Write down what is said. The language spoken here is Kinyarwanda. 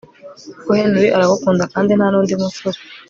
kuko Henry aragukunda kandi nta nundi musore